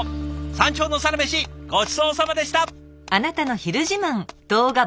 山頂のサラメシごちそうさまでした！